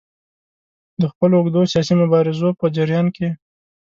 د خپلو اوږدو سیاسي مبارزو په جریان کې.